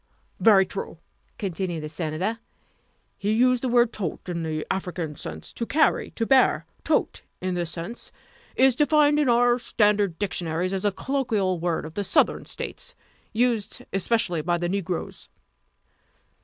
"Very true," continued the Senator. "He used the word tote in the African sense, to carry, to bear. Tote in this sense is defined in our standard dictionaries as a colloquial word of the Southern States, used especially by the negroes."